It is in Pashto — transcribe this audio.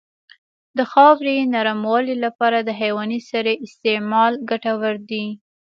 د خاورې نرموالې لپاره د حیواني سرې استعمال ګټور دی.